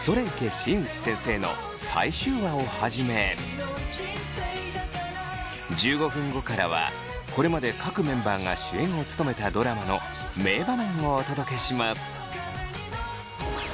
新内先生」の最終話をはじめ１５分後からはこれまで各メンバーが主演を務めたドラマの名場面をお届けします。